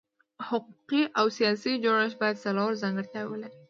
حقوقي او سیاسي جوړښت باید څلور ځانګړتیاوې ولري.